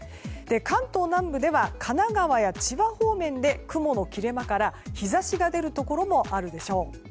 関東南部では神奈川や千葉方面で雲の切れ間から日差しが出るところもあるでしょう。